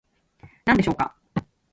何でしょうか